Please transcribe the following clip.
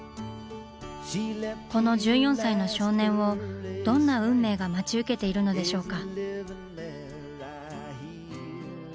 この１４歳の少年をどんな運命が待ち受けているのでしょうか？